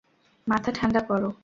মাথা ঠান্ডা করো।